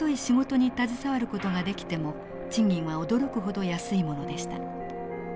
仕事に携わる事ができても賃金は驚くほど安いものでした。